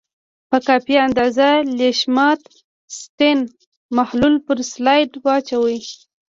په کافي اندازه لیشمان سټین محلول پر سلایډ واچوئ.